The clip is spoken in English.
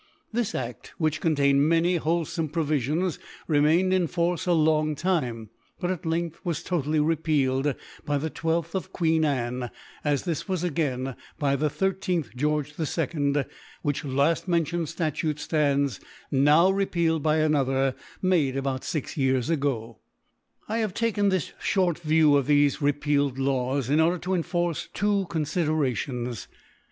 This Aft, which contained many whole* fome Provifions, remained in Force a long Time, but at length was totally repealed by the itth of Queen ^ne ; as this was again by the i'^ George II. which Jaft mentioned Statute ftands now repealed by another made about fix Years ago *• I have taken this fhorl View of thefe re * pealed Laws, in order to enforce two Con ^ flderations.